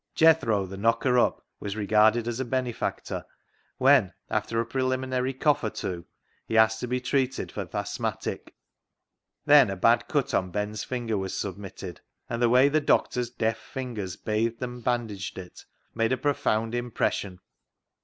Jethro, the knocker up, was regarded as a benefactor when, after a preliminary cough or two, he asked to be treated for " th' asthmatic." Then a bad cut on Ben's finger was submitted, and the way the doctor's deft fingers bathed 264 CLOG SHOP CHRONICLES and bandaged it made a profound impression.